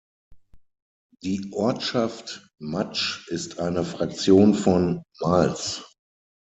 Die Ortschaft Matsch ist eine Fraktion von Mals.